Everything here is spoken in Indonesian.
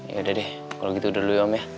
yaudah deh kalo gitu dulu ya om ya